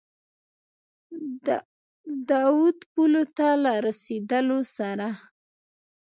د اود پولو ته له رسېدلو سره.